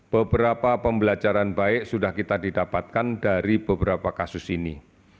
beberapa pembelajaran baik sudah kita didapatkan dari beberapa kasus ini